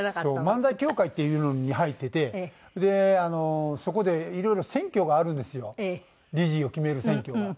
漫才協会っていうのに入っててであのそこでいろいろ選挙があるんですよ理事を決める選挙が。